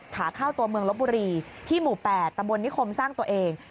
ขาเข้าตัวเมืองลบบุรีที่หมู่๘ตำบลนิคมสร้างตัวเอง